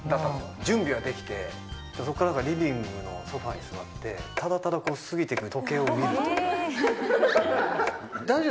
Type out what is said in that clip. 準備はできて、そこからリビングのソファに座って、ただただ過ぎていく時計を見大丈夫？